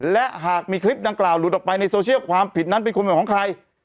และหากมีคลิปดังกล่าวหลุดออกไปในโซเชียลความผิดนั้นเป็นความเป็นของใคร